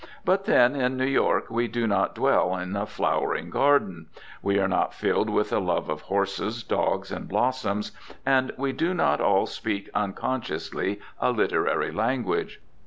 But then in New York we do not dwell in a flower garden; we are not filled with a love of horses, dogs, and blossoms; and we do not all speak unconsciously a literary language.